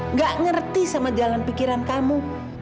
nggak ngerti sama jalan pikiran kamu